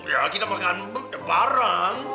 ya kita makan bareng